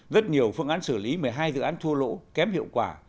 rất nhiều phương án xử lý một mươi hai dự án thua lỗ kém hiệu quả